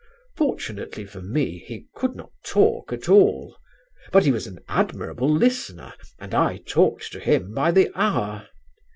Fortunately for me he could not talk at all; but he was an admirable listener, and I talked to him by the hour.